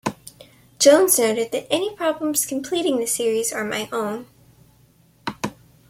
Jones noted that Any problems completing the series are my own.